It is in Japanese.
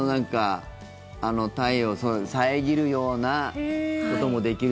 太陽を遮るようなこともできる。